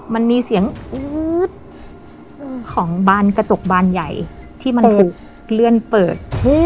มันมีเสียงอื๊ดของบานกระจกบานใหญ่ที่มันถูกเลื่อนเปิด